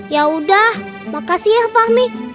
yaudah makasih ya fahmi